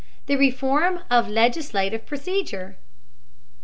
THE REFORM OF LEGISLATIVE PROCEDURE.